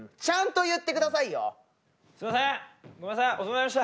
ちゃんと言ってくださいよ！